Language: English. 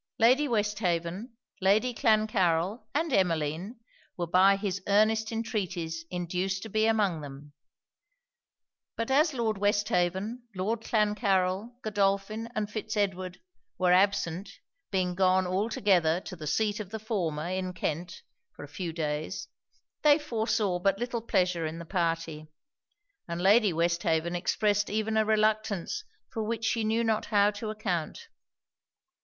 Lady Westhaven, Lady Clancarryl, and Emmeline, were by his earnest entreaties induced to be among them: but as Lord Westhaven, Lord Clancarryl, Godolphin, and Fitz Edward, were absent, being gone all together to the seat of the former, in Kent, for a few days, they foresaw but little pleasure in the party; and Lady Westhaven expressed even a reluctance for which she knew not how to account.